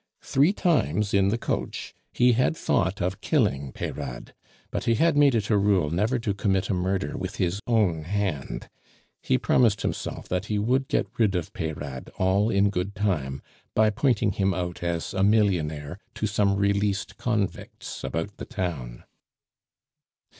Three times in the coach he had thought of killing Peyrade, but he had made it a rule never to commit a murder with his own hand; he promised himself that he would get rid of Peyrade all in good time by pointing him out as a millionaire to some released convicts about the town.